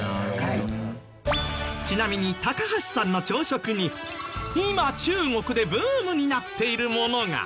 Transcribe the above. ちなみに橋さんの朝食に今中国でブームになっているものが！